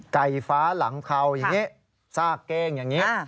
ไก่ฟ้าหลังเทาซากเกงอย่างนี้